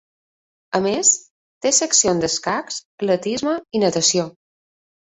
A més, té seccions d'escacs, atletisme i natació.